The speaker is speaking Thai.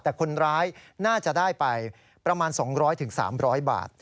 แต่คนร้ายน่าจะได้ไปประมาณสองร้อยถึงสามร้อยบาท